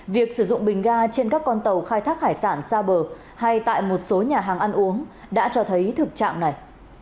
việc sử dụng bình ga trên các con tàu khai thác hải sản xa bờ hay tại một số nhà hàng ăn uống đã cho thấy thực trạng này